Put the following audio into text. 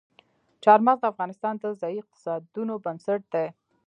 چار مغز د افغانستان د ځایي اقتصادونو بنسټ دی.